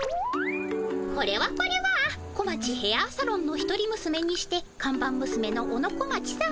これはこれは小町ヘアサロンの一人むすめにしてかん板むすめの小野小町さま